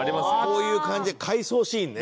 こういう感じで回想シーンね。